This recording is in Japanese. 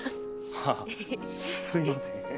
ああすいません。